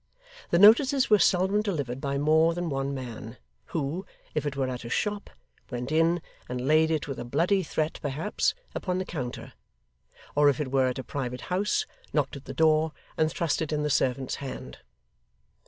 The notices were seldom delivered by more than one man, who, if it were at a shop, went in, and laid it, with a bloody threat perhaps, upon the counter; or if it were at a private house, knocked at the door, and thrust it in the servant's hand.